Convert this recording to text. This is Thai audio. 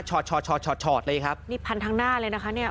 อดชอดเลยครับนี่พันทั้งหน้าเลยนะคะเนี่ย